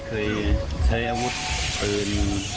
เคยใช้อาวุธปืน